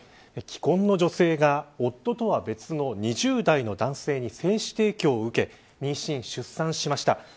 既婚の女性が夫とは別の２０代の男性に精子提供を受け妊娠、出産しました。